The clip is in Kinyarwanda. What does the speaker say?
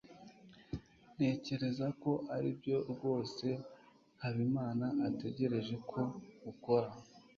ntekereza ko aribyo rwose habimana ategereje ko ukora